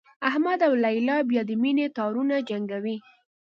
احمد او لیلا بیا د مینې تارونه جنګوي